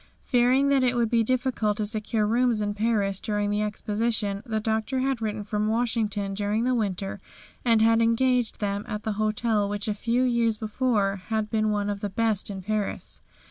Fearing that it would be difficult to secure rooms in Paris during the Exposition, the Doctor had written from Washington during the winter and engaged them at the hotel which a few years before had been one of the best in Paris.